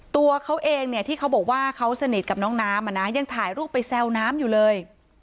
ตัวเขาเองเนี่ยที่เขาบอกว่าเขาสนิทกับน้องน้ำยังถ่ายรูปไปแซวน้ำอยู่เลย